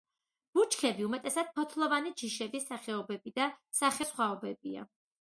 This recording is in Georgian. ბუჩქები უმეტესად ფოთლოვანი ჯიშების სახეობები და სახესხვაობებია.